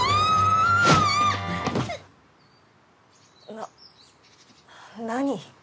な何？